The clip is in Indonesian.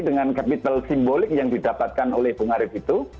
dengan capital simbolik yang didapatkan oleh bung arief itu